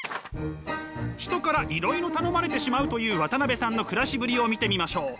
人からいろいろ頼まれてしまうという渡辺さんの暮らしぶりを見てみましょう。